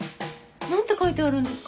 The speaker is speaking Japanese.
何て書いてあるんですか？